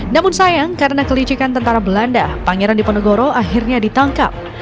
namun sayang karena kelicikan tentara belanda pangeran diponegoro akhirnya ditangkap